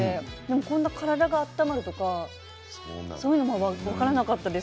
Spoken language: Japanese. こんなに体が温まるとかそういうのは知らなかったです。